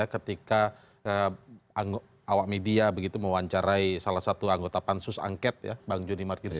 ketika awak media mewawancarai salah satu anggota pansus angket bang jody margirisang